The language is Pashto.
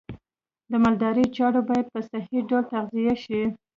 د مالدارۍ څاروی باید په صحی ډول تغذیه شي.